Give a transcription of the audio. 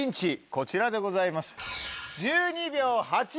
こちらでございます。